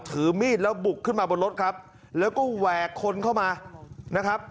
ถือมีดแล้วบุกขึ้นมาบนรถครับแล้วก็แหวกคนเข้ามานะครับ